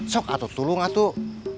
sok atuh tulung atuh